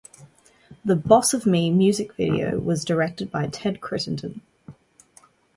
The "Boss of Me" music video was directed by Ted Crittenden.